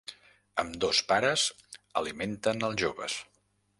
Ambdós pares alimenten als joves.